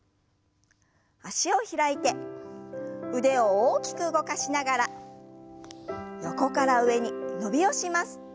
脚を開いて腕を大きく動かしながら横から上に伸びをします。